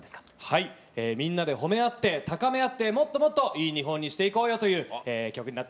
はいみんなで褒め合って高め合ってもっともっといい日本にしていこうよという曲になっております。